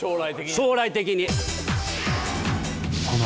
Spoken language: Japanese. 将来的に。